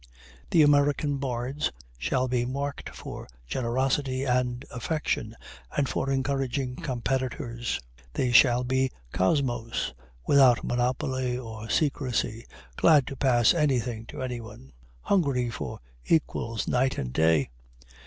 The American bards shall be mark'd for generosity and affection, and for encouraging competitors. They shall be Kosmos, without monopoly or secrecy, glad to pass anything to anyone hungry for equals night and day.